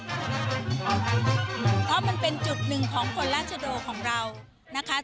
เพราะมันเป็นจุดหนึ่งของคนราชโดของเรานะคะ